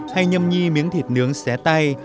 hay nhâm nhi miếng thịt nướng xé tay